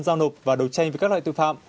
giao nộp và đột tranh với các loại tự phạm